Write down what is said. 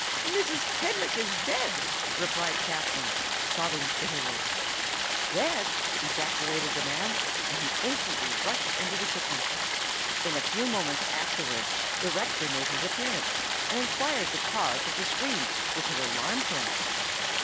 "Mrs. Kenrick is dead!" replied Katherine, sobbing bitterly. "Dead!" ejaculated the man; and he instantly rushed into the kitchen. In a few moments afterwards the rector made his appearance, and inquired the cause of the screams which had alarmed him.